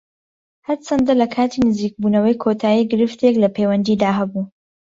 هەرچەندە لە کاتی نزیکبوونەوەی کۆتایی گرفتێک لە پەیوەندیدا هەبوو